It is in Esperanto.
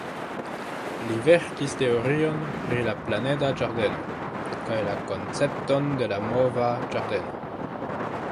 Li verkis teorion pri la «planeda ĝardeno» kaj la koncepton de la mova ĝardeno.